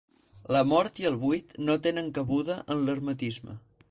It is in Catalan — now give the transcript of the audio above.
La mort i el buit no tenen cabuda en l'hermetisme.